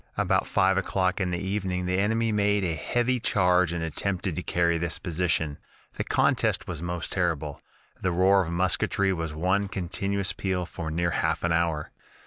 "About five o'clock in the evening the enemy made a heavy charge and attempted to carry this position. The contest was most terrible the roar of musketry was one continuous peal for near half an hour.